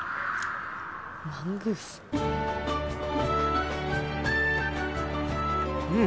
マングースうん！